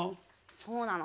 そうなの。